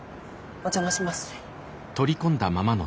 お邪魔します。